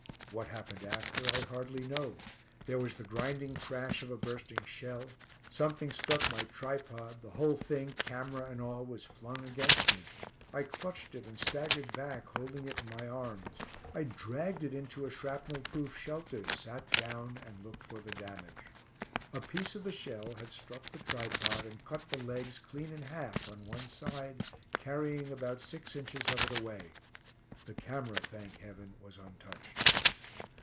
What happened after I hardly know. There was the grinding crash of a bursting shell; something struck my tripod, the whole thing, camera and all, was flung against me. I clutched it and staggered back, holding it in my arms. I dragged it into a shrapnel proof shelter, sat down and looked for the damage. A piece of the shell had struck the tripod and cut the legs clean in half, on one side, carrying about six inches of it away. The camera, thank heaven, was untouched.